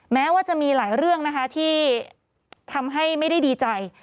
แม้ว่าจะมีหลายเรื่องนะคะที่ทำให้ไม่ได้ดีใจ